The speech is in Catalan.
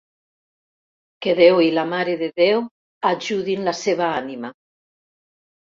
Que Déu i la Mare de Déu ajudin la seva ànima.